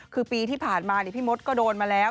คือปีที่ผ่านมาพี่มดก็โดนมาแล้ว